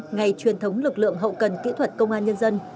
ngày truyền thống lực lượng hậu cần kỹ thuật công an nhân dân